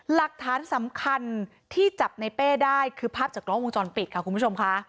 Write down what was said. หลักฐานสำคัญที่จับในเป้ได้คือภาพจากกล้องวงจรปิดค่ะคุณผู้ชมค่ะ